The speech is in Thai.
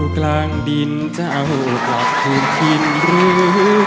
เดากลางดินเจ้าหวัดขึ้นที่รู้ยัง